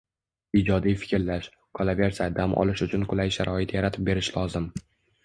Ijodiy fikrlash, qolaversa dam olish uchun qulay sharoit yaratib berish lozim